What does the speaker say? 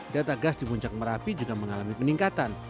data gas di puncak merapi juga mengalami peningkatan